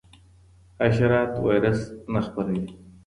حشرات وایرس نه خپروي.